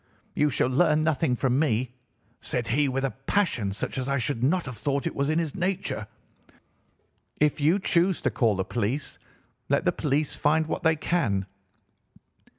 "'You shall learn nothing from me,' said he with a passion such as I should not have thought was in his nature. 'If you choose to call the police, let the police find what they can.